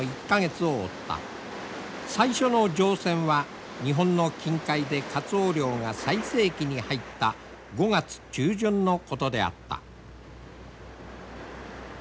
最初の乗船は日本の近海でカツオ漁が最盛期に入った５月中旬のことであった。